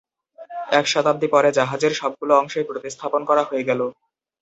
এক শতাব্দী পরে, জাহাজের সবগুলো অংশই প্রতিস্থাপন করা হয়ে গেলো।